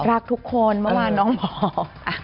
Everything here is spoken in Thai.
รักทุกคนเมื่อวานน้องบอก